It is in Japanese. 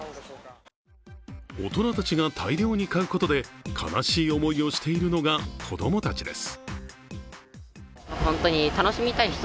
大人たちが大量に買うことで悲しい思いをしているのが子供たちです。